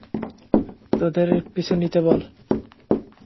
তাদের পিছু নিতে বল।